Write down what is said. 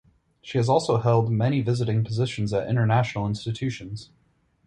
She has also held many visiting positions at international institutions.